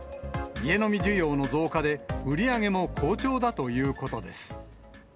家飲み需要の増加で、売り上げも好調だということです。